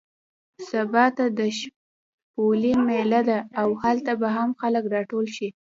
سبا ته د شپولې مېله ده او هلته به هم خلک راټول شي.